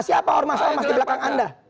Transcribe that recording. siapa or mas or masih di belakang anda